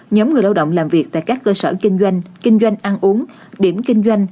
nhóm người lao động làm việc tại các cơ sở kinh doanh kinh doanh ăn uống điểm kinh doanh